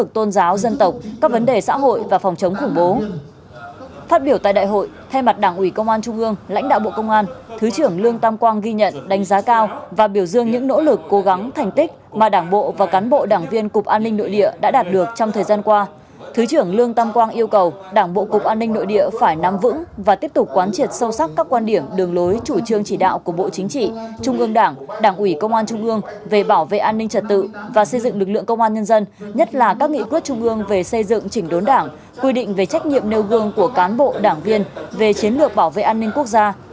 thứ trưởng lương tâm quang yêu cầu đảng bộ cục an ninh nội địa phải nắm vững và tiếp tục quán triệt sâu sắc các quan điểm đường lối chủ trương chỉ đạo của bộ chính trị trung ương đảng đảng ủy công an trung ương về bảo vệ an ninh trật tự và xây dựng lực lượng công an nhân dân nhất là các nghị quyết trung ương về xây dựng chỉnh đốn đảng quy định về trách nhiệm nêu gương của cán bộ đảng viên về chiến lược bảo vệ an ninh quốc gia